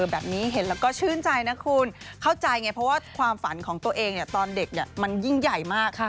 แบบนี้เห็นแล้วก็ชื่นใจนะคุณเข้าใจไงเพราะว่าความฝันของตัวเองตอนเด็กมันยิ่งใหญ่มาก